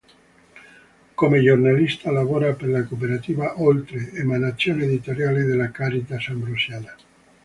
Come giornalista, lavora per la Cooperativa Oltre, emanazione editoriale della Caritas Ambrosiana.